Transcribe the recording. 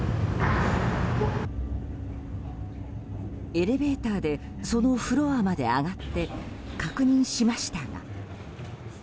エレベーターでそのフロアまで上がって確認しましたが。